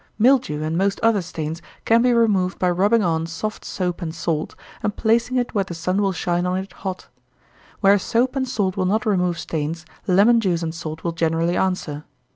Mildew and most other stains can be removed by rubbing on soft soap and salt, and placing it where the sun will shine on it hot. Where soap and salt will not remove stains, lemon juice and salt will generally answer.